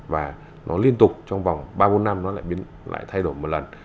và nó liên tục trong vòng ba bốn năm nó lại thay đổi một lần